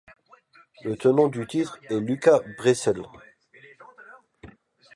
Le tenant du titre est Luca Brecel.